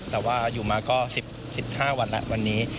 แต่ว่าอยู่มาก็๑๕วันแล้ววันนี้